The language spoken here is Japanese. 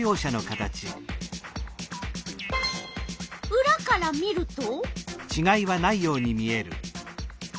うらから見ると？